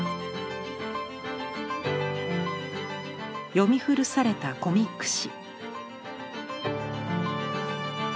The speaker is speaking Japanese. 読み古されたコミック誌。